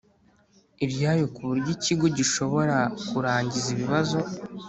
iryayo ku buryo ikigo gishobora kurangiza ibibazo